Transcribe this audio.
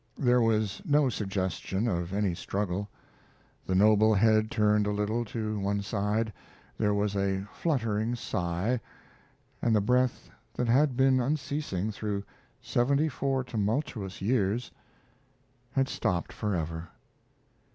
There was no suggestion of any struggle. The noble head turned a little to one side, there was a fluttering sigh, and the breath that had been unceasing through seventy four tumultuous years had stopped forever.